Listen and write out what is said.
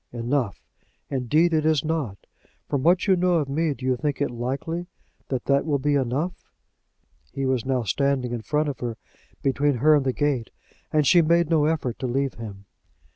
"Enough! Indeed it is not. From what you know of me do you think it likely that that will be enough?" He was now standing in front of her, between her and the gate, and she made no effort to leave him.